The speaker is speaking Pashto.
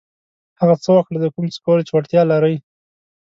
هغه څه وکړه د کوم څه کولو چې وړتیا لرئ.